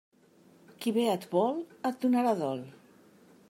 Qui bé et vol et donarà dol.